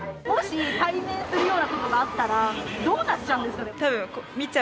もし対面するようなことがあったら、どうなっちゃうんでしょうね。